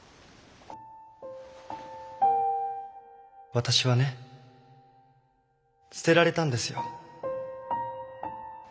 私はね捨てられたんですよ。